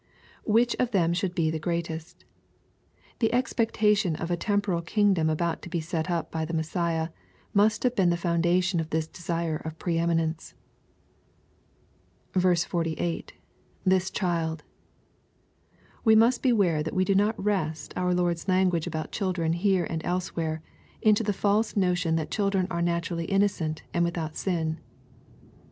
[Which of ihem should he {he greatest,] The expectation of a temporal kingdom about to be set up by the Messiah, must have been the foundation of this desire of pre eminence. 48. — [Ihis child.] We must beware that we do not wrest onj Lord's language about children here and elsewhere, into the false notion that ctSdren are naturally innocent, and without sin.